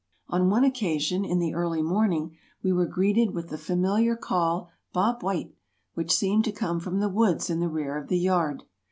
On one occasion in the early morning, we were greeted with the familiar call "Bob White," which seemed to come from the woods in the rear of the yard.